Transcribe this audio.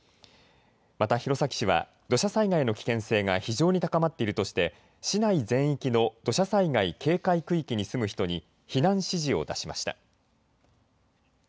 また弘前市は土砂災害の危険性が非常に高まっているとして市内全域の土砂災害警戒区域に住む人に避難指示を出しました。